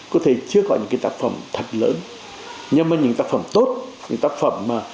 có thể chưa có những cái tác phẩm thật lớn nhưng mà những tác phẩm tốt những tác phẩm mà